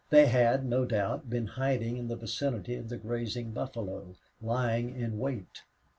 They had, no doubt, been hiding in the vicinity of the grazing buffalo, lying in wait.